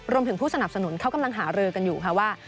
รวมถึงผู้สนับสนุนเขากำลังหารือกันอยู่ค่ะว่า